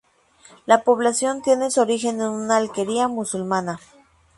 La población tiene su origen en una alquería musulmana.